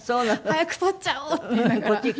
早く撮っちゃおうって言いながら。